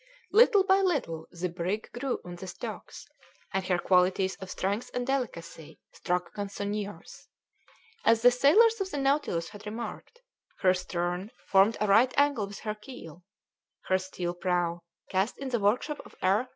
Little by little the brig grew on the stocks, and her qualities of strength and delicacy struck connoisseurs. As the sailors of the Nautilus had remarked, her stern formed a right angle with her keel; her steel prow, cast in the workshop of R.